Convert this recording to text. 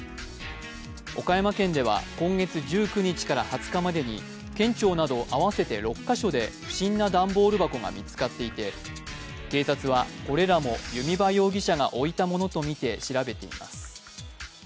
岡山県では今月１９日から２０日までに県庁など合わせて６か所で不審な段ボール箱が見つかっていて警察は、これらも弓場容疑者が置いたものとみて調べています。